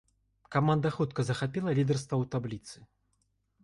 Каманда хутка захапіла лідарства ў табліцы.